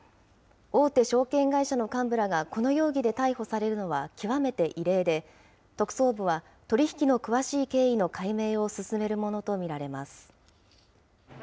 大手証券会社の幹部らがこの容疑で逮捕されるのは極めて異例で、特捜部は取り引きの詳しい経緯の解明を進めるものと見られます。